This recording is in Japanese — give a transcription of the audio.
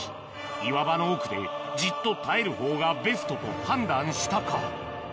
岩場の奥でじっと耐える方がベストと判断したか？